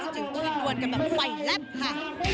และจึงดูดด่วนกันแบบไหวแล้วค่ะ